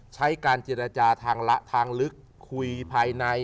ใช้การเจรจาทางละทางลึกคุยภายใน